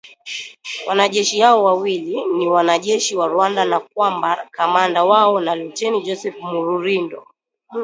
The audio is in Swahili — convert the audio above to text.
wanajeshi hao wawili ni wanajeshi wa Rwanda na kwamba kamanda wao na Luteni Joseph Rurindo